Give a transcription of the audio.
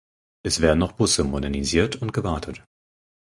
Es werden auch Busse modernisiert und gewartet.